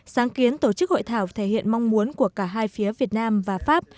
sáng kiến tổ chức hội thảo thể hiện mong muốn của cả hai phía việt nam và pháp